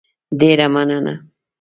ډېره مننه